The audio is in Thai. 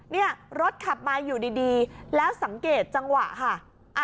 นี่รถขับมาอยู่ดีแล้วสังเกตจังหวะค่ะ